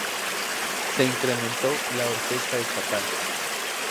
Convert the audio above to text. Se incrementó la orquesta estatal.